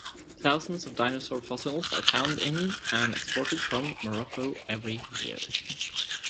Thousands of dinosaur fossils are found in and exported from Morocco every year.